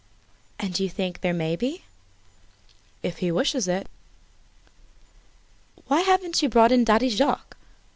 "Then you think there may be?" "If he wishes it." "Why haven't you brought in Daddy Jacques?